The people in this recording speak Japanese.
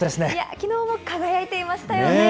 きのうも輝いていましたよね。